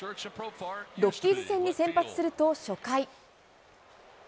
ロッキーズ戦に先発すると、初回。